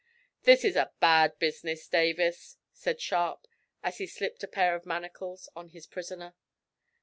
"This is a bad business, Davis," said Sharp, as he slipped a pair of manacles on his prisoner.